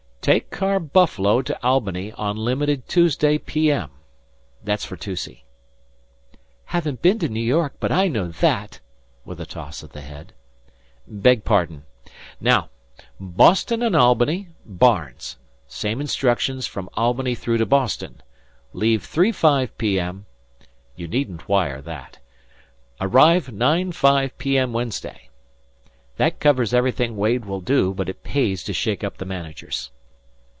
Take car Buffalo to Albany on Limited Tuesday p. m. That's for Toucey." "Haven't bin to Noo York, but I know that!" with a toss of the head. "Beg pardon. Now, Boston and Albany, Barnes, same instructions from Albany through to Boston. Leave three five P. M. (you needn't wire that); arrive nine five P. M. Wednesday. That covers everything Wade will do, but it pays to shake up the managers."